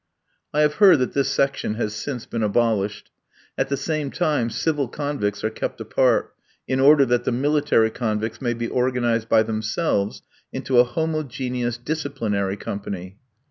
I have heard that this section has since been abolished. At the same time, civil convicts are kept apart, in order that the military convicts may be organised by themselves into a homogeneous "disciplinary company."